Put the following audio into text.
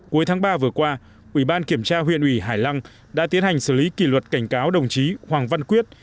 cuối tháng ba vừa qua ủy ban kiểm tra huyện ủy hải lăng đã tiến hành xử lý kỷ luật cảnh cáo đồng chí hoàng văn quyết